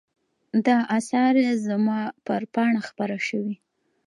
دا آثار زما پر پاڼه خپاره شوي.